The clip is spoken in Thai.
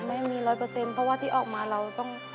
ไม่มีร้อยเปอร์เซ็นต์เพราะว่าที่ออกมาเราต้อง